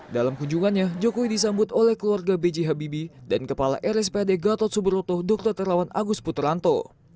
dalam kunjungannya jokowi disambut oleh keluarga b j habibi dan kepala rspad gatot subroto dr terawan agus putranto